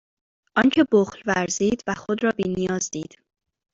آنکه بخل ورزید و خود را بینیاز دید